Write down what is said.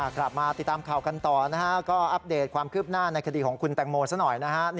กลับมาติดตามข่าวกันต่อนะฮะก็อัปเดตความคืบหน้าในคดีของคุณแตงโมซะหน่อยนะฮะ